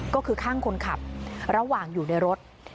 ก็คือข้างคนขับระหว่างอยู่ในรถ